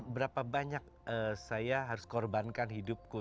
berapa banyak saya harus korbankan hidupku